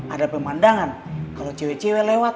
ada pemandangan kalau cewek cewek lewat